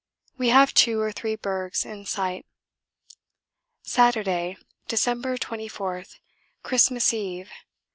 We have two or three bergs in sight. Saturday, December 24, Christmas Eve.